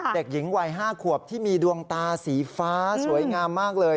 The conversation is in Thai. เด็กหญิงวัย๕ขวบที่มีดวงตาสีฟ้าสวยงามมากเลย